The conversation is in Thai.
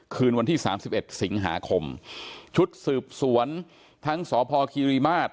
คืนวันที่สามสิบเอ็ดสิงหาคมชุดสืบสวนทั้งสพคิริมาตร